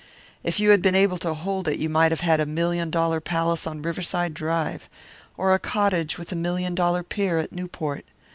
If you had been able to hold it, you might have had a million dollar palace on Riverside Drive, or a cottage with a million dollar pier at Newport.